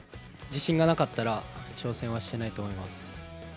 自信がなかったら挑戦はしてないと思います。